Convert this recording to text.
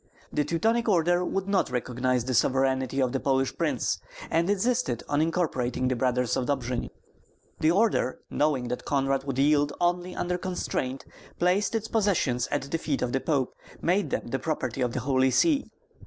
The Teutonic Order would not recognize the sovereignty of the Polish prince, and insisted on incorporating the Brothers of Dobjin. The order, knowing that Konrad would yield only under constraint, placed its possessions at the feet of the Pope, made them the property of the Holy See.